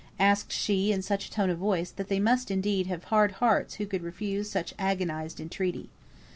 asked she, in such a tone of voice, that they must indeed have had hard hearts who could refuse such agonised entreaty.